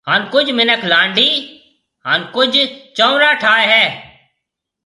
ھان ڪجھ مِنک لانڊَي ھان ڪجھ چنورا ٺائيَ ھيََََ